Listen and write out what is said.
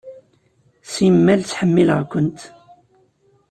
Simmal ttḥemmileɣ-kent.